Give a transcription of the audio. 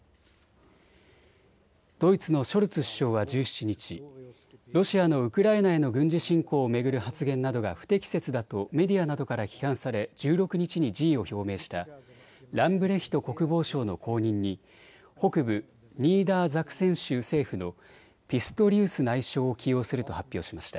ドイツのショルツ首相は１７日、ロシアのウクライナへの軍事侵攻を巡る発言などが不適切だとメディアなどから批判され１６日に辞意を表明したランブレヒト国防相の後任に北部ニーダーザクセン州政府のピストリウス内相を起用すると発表しました。